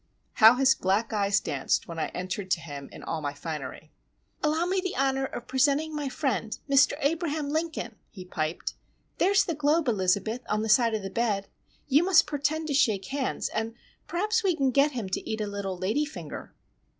How his black eyes danced when I entered to him in all my finery:— "Allow me the Honour of Presenting my Friend, Mr. Abraham Lincoln," he piped. "There's the globe, Elizabeth, on the side of the bed. You must pertend to shake hands, and p'raps we can get him to eat a little lady finger."